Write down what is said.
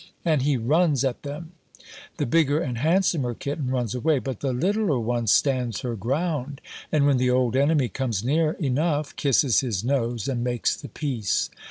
And he runs at them. The bigger and handsomer kitten runs away, but the littler one stands her ground, and when the old enemy comes near enough kisses his nose, and makes the peace.